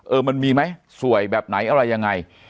เออมันมีไหมสวยแบบไหนอะไรยังไง